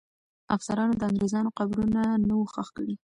افسرانو د انګریزانو قبرونه نه وو ښخ کړي.